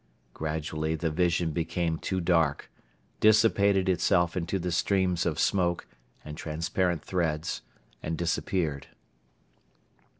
Gradually the vision became too dark, dissipated itself into the streams of smoke and transparent threads and disappeared.